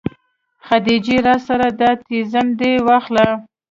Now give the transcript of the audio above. خديجې راسه دا تيزن دې واخله.